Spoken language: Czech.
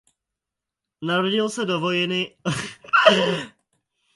Narodil se do rodiny vojenských inženýrů.